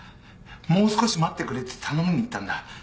もう少し待ってくれって頼みに行ったんだ。